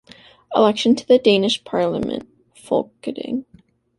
Election to the Danish parliament, Folketing.